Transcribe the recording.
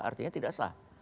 artinya tidak sah